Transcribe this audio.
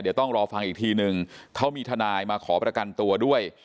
เดี๋ยวต้องรอฟังอีกทีนึงเขามีทนายมาขอประกันตัวด้วย